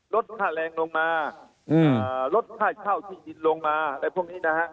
ลดค่าแรงลงมาลดค่าเช่าที่ดินลงมาอะไรพวกนี้นะฮะ